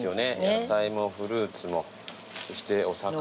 野菜もフルーツもそしてお魚も。